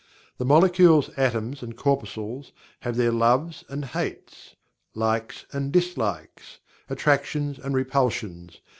The molecules, atoms and corpuscles have their "loves and hates"; "likes and dislikes"; "attractions and repulsions".